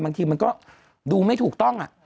บางทีมันก็ดูไม่ถูกต้อง